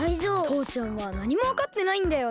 とうちゃんはなにもわかってないんだよな。